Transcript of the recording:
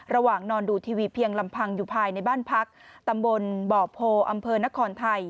ระหว่างนอนดูทีวีเพียงลำพังอยู่ภายในบ้านพักตัมปนบโพอนท